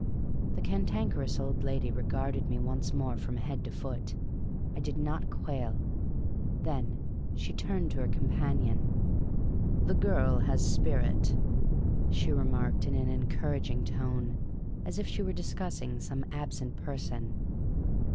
'' The Cantankerous Old I^ady regarded me once more from 12 Miss Cayley's Adventures head to foot. I did not quail. Then she turned to her com panion. " The girl has spirit," she remarked, in an encour aging tone, as if she were discussing some absent person.